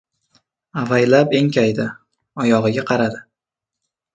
Avaylab enkaydi, oyog‘iga qaradi.